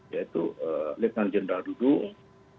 yaitu letnan jenderal dudung